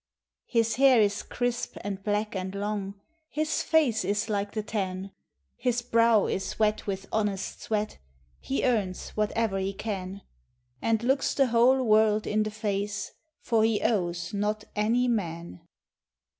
nis hair is crisp and black and long; nis face is like the tan ; His brow is wet with honest sweat, — He earns whate'er he can, And looks the whole world in the face, For he owes not any man.